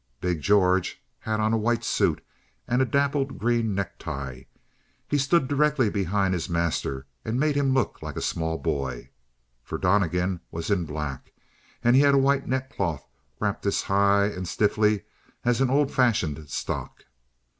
Big George had on a white suit and a dappled green necktie; he stood directly behind his master and made him look like a small boy. For Donnegan was in black, and he had a white neckcloth wrapped as high and stiffly as an old fashioned stock.